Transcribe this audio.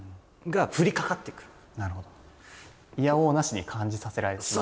いやおうなしに感じさせられてしまう。